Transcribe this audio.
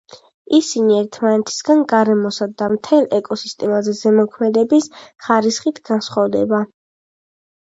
ისინი ერთმანეთისგან გარემოსა და მთელ ეკოსისტემაზე ზემოქმედების ხარისხით განსხვავდება.